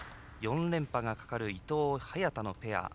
４連覇がかかる伊藤、早田のペア。